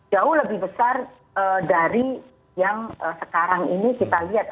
jauh lebih besar dari yang sekarang ini kita lihat